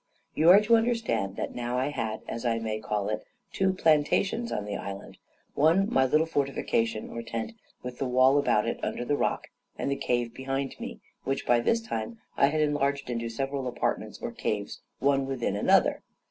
You are to understand that now I had, as I may call it, two plantations in the island one my little fortification or tent, with the wall about it, under the rock, with the cave behind me, which by this time I had enlarged into several apartments or caves, one within another.